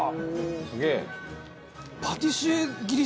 すげえ！